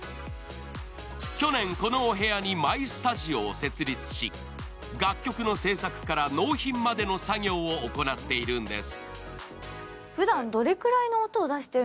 去年、このお部屋にマイスタジオを設立し、楽曲の制作から納品までの作業を行っているんです。